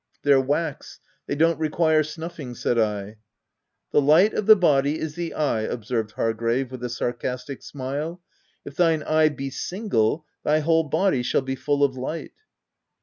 " They're wax ; they don't require snuffing," said I. u 'The light of the body is the eye/ " observed Hargrave, with a sarcastic smile. u ' If thine eye be single thy whole body shall be full of light.'